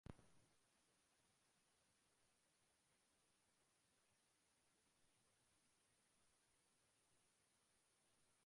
Most mustelid reproduction involves embryonic diapause.